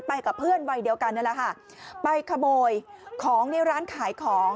กับเพื่อนวัยเดียวกันนี่แหละค่ะไปขโมยของในร้านขายของ